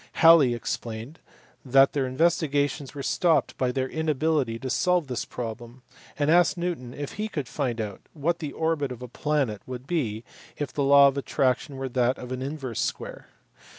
Halley explained that their investigations were stopped by their inability to solve this problem, and asked Newton if he could find out what the orbit of a planet would be if the law of attraction were that of the inverse square.